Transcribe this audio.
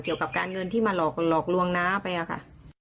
เกี่ยวกับการเงินที่มาหลอกลวงน้าไปอะค่ะ